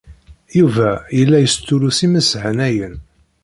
Yuba yella yestullus imeshanayen.